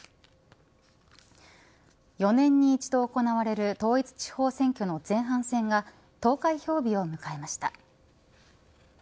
４年に１度行われる統一地方選挙の前半戦が投開票日を迎えました。